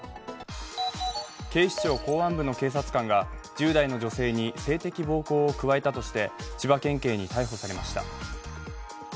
警視庁公安部の警察官が１０代の女性に性的暴行を加えたとして千葉県警に逮捕されました。